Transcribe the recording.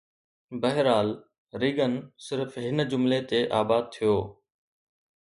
بهرحال، ريگن صرف هن جملي تي آباد ٿيو